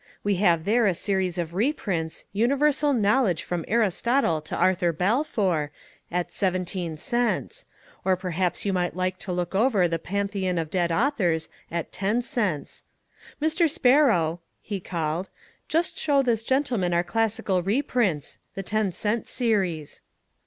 We have there a series of reprints Universal Knowledge from Aristotle to Arthur Balfour at seventeen cents. Or perhaps you might like to look over the Pantheon of Dead Authors at ten cents. Mr. Sparrow," he called, "just show this gentleman our classical reprints the ten cent series."